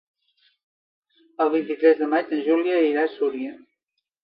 El vint-i-tres de maig na Júlia irà a Súria.